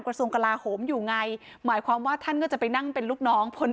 กระทรวงกลาโหมอยู่ไงหมายความว่าท่านก็จะไปนั่งเป็นลูกน้องพล